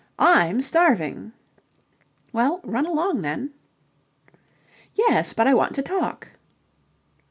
"I'm starving." "Well, run along then." "Yes, but I want to talk..."